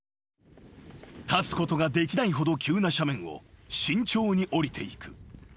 ［立つことができないほど急な斜面を慎重に下りていく］